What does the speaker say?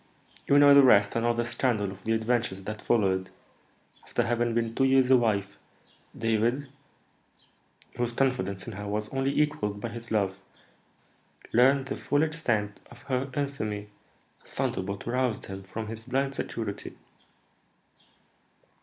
You know the rest, and all the scandal of the adventures that followed. After having been two years a wife, David, whose confidence in her was only equalled by his love, learned the full extent of her infamy, a thunderbolt aroused him from his blind security."